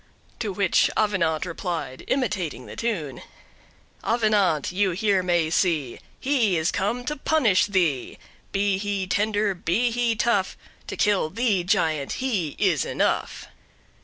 To which Avenant replied, imitating the tune: "Avenant you here may see, He is come to punish thee: Be he tender, be he tough, To kill thee, giant, he is enough."